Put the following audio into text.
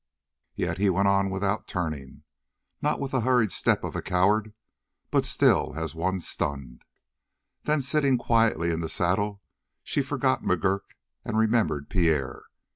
Yet he went on without turning, not with the hurried step of a coward, but still as one stunned. Then, sitting quietly in the saddle, she forgot McGurk and remembered Pierre.